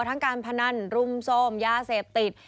ทั้งการพนันรุ่มโซมย่าเสพติด